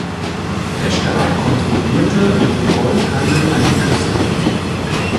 Der Staat kontrollierte und den Goldhandel an die Küste.